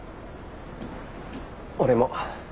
俺も。